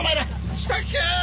したっけ！